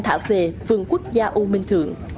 thả về vườn quốc gia u minh thượng